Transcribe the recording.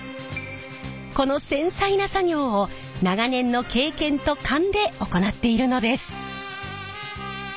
この繊細な作業を長年の経験と勘で行っているのです。